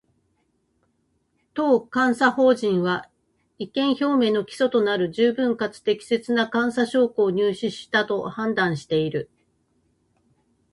当監査法人は、意見表明の基礎となる十分かつ適切な監査証拠を入手したと判断している